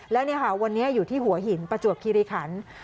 แล้วเนี่ยค่ะวันนี้อยู่ที่หัวหินประจวบคิริขัน